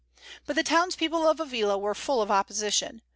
But the townspeople of Avila were full of opposition.